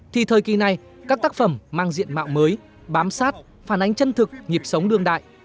thì thời kỳ này các tác phẩm mang diện mạo mới bám sát phản ánh chân thực nhịp sống đương đại